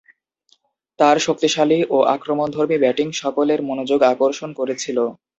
তার শক্তিশালী ও আক্রমণধর্মী ব্যাটিং সকলের মনোযোগ আকর্ষণ করেছিল।